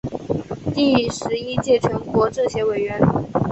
第十一届全国政协委员。